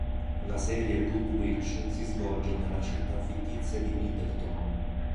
La serie Good Witch si svolge nella città fittizia di Middleton.